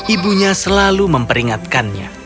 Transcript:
ibunya selalu memperingatkannya